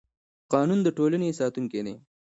قانون د ټولنې ساتونکی دی